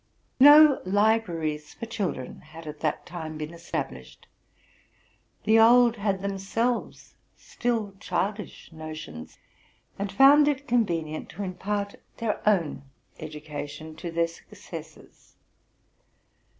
No libraries for children had at that time been established. The old had themselves still childish notions, and found it convenient to impart their own education to their successors.